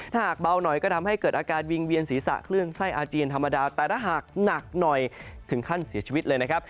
ถ้าหากเบาหน่อยก็ทำให้เกิดอาการวิงเวียนศีรษะคลื่นไส้อาเจียนธรรมดาแต่ถ้าหากหนักหน่อยถึงขั้นเสียชีวิตเลยนะครับ